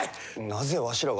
なぜわしらが。